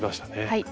はい。